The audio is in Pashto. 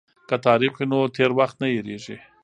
که تاریخ وي نو تیر وخت نه هیریږي.